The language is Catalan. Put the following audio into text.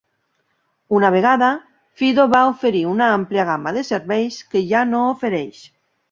Una vegada, Fido va oferir una àmplia gamma de serveis que ja no ofereix.